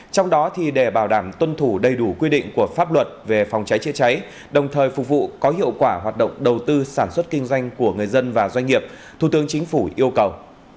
trong đó để bảo đảm tuân thủ đầy đủ quy định của pháp luật về phòng cháy chữa cháy đồng thời phục vụ có hiệu quả hoạt động đầu tư sản xuất kinh doanh của người dân và doanh nghiệp thủ tướng chính phủ yêu cầu